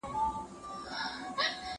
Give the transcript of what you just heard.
بازار د تجربو یو لوی پوهنتون دی.